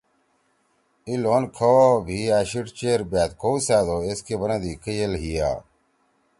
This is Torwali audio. ای لون کھؤا بھی أشیڑ چیر بأت کؤسأدو ایس کے بنّدی کئیل ہیا۔